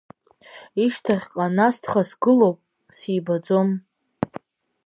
Ишьҭахьҟа насҭха сгылоуп, сибаӡом.